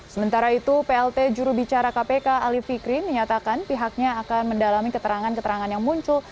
sementara itu plt jurubicara kpk ali fikri menyatakan pihaknya akan mendalami keterangan keterangan yang muncul